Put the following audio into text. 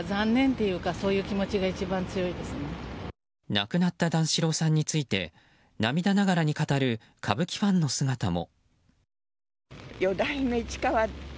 亡くなった段四郎さんについて涙ながらに語る歌舞伎ファンの姿も。